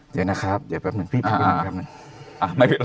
เดี๋ยวนะครับเดี๋ยวแป๊บหนึ่งพี่พาไปดูหน่อยแป๊บหนึ่ง